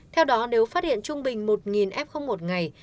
theo đó nếu phát hiện trung bình một f một ngày